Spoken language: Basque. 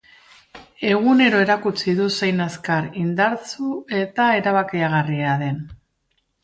Egunero erakutsi du zein azkar, idartsu eta erabakigarria den.